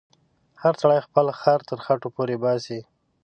هر سړی خپل خر تر خټو پورې باسې.